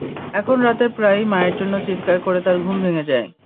এখন রাতে প্রায়ই মায়ের জন্য চিৎকার করে তার ঘুম ভেঙে যায়।